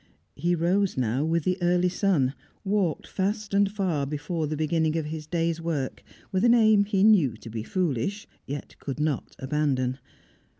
He rose now with the early sun; walked fast and far before the beginning of his day's work, with an aim he knew to be foolish, yet could not abandon.